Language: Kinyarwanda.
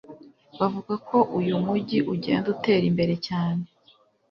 bavuga ko uyu mugi ugenda utera imbere cyane.